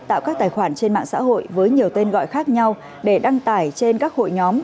tạo các tài khoản trên mạng xã hội với nhiều tên gọi khác nhau để đăng tải trên các hội nhóm